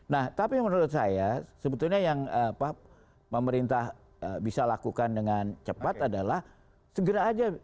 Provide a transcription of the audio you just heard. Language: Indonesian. nah tapi menurut saya sebetulnya yang pak pemerintah bisa lakukan dengan cepat adalah segera aja